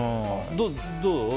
どう？